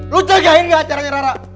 lu cegahin gak acaranya rara